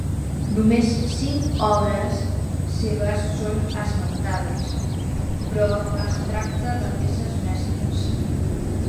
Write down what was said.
Només cinc obres seves són esmentades, però es tracte de peces mestres.